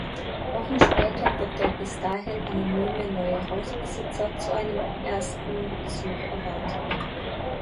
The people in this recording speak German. Wochen später wird der bis dahin anonyme neue Hausbesitzer zu einem ersten Besuch erwartet.